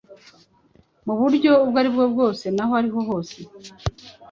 mu buryo ubwo ari bwose n’aho ari ho hose.